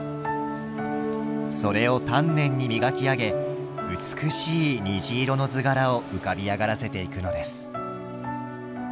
それを丹念に磨き上げ美しい虹色の図柄を浮かび上がらせていくのです。